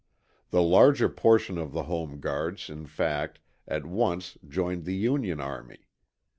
The larger portion of the Home Guards, in fact, at once joined the Union army.